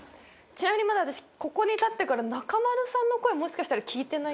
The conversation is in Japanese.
ちなみにまだ私ここに立ってから中丸さんの声もしかしたら聞いてないんですけど。